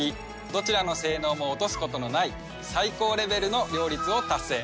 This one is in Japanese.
どちらの性能も落とすことのない最高レベルの両立を達成。